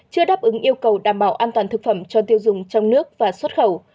chưa đáp ứng yêu cầu đảm bảo an toàn thực phẩm cho tiêu dùng trong nước và xuất khẩu